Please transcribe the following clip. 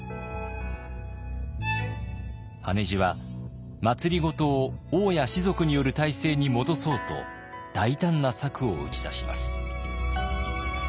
羽地は政を王や士族による体制に戻そうと大胆な策を打ち出します。